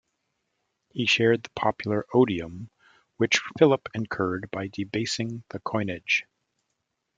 He shared the popular odium which Philip incurred by debasing the coinage.